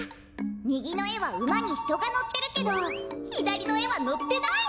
みぎのえはうまにひとがのってるけどひだりのえはのってない！